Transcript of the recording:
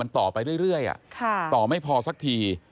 มันต่อไปเรื่อยเรื่อยอ่ะค่ะต่อไม่พอสักที